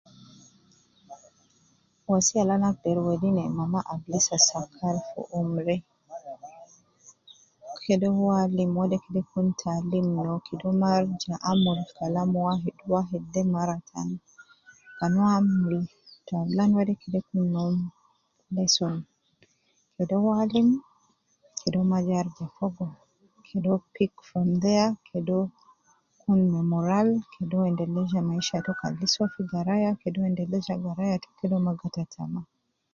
Wasiya all ana agideri wedi na mama al lisa, sakar fi umri, kede uwo alim , wede kede kun no uwo taalim. Kede uwo ma arija amul kalam al ma wafki ma uwo de mara taan. Kan. Uwo amil taawulan de kede kun no uwo lesson. Kede uwo alim . Kede uwo ma arija fogo, kede uwo pick up from there. Kede uwo kun ma moral, kede wo endeleza maisha to, kan lisa uwo fi garaya to, kede uwo ma gata tama.